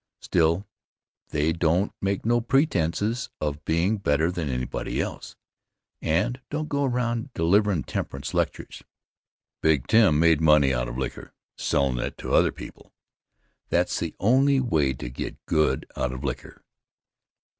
Still they don't make no pretenses of being better than anybody else, and don't go around deliverin' temperance lectures. Big Tim made money out of liquor sellin' it to other people. That's the only way to get good out of liquor.